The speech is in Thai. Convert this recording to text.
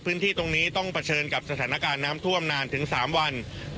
พื้นที่ตรงนี้ต้องเผชิญกับสถานการณ์น้ำท่วมนานถึง๓วัน